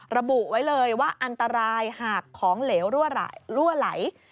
ระบุไว้เลยว่าอันตรายหากของเหลวรั่วไหล